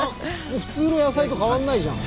普通の野菜と変わんないじゃん！